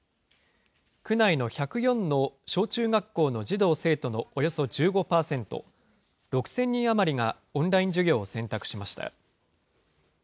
区内の１０４の小中学校の児童・生徒のおよそ１５％、６０００人余りがオンライン授業を選択しました。